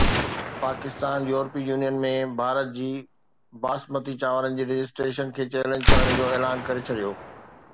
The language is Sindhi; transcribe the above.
پاڪستان يورپي يونين ۾ ڀارت جي باسمتي چانورن جي رجسٽريشن کي چئلينج ڪرڻ جو اعلان ڪري ڇڏيو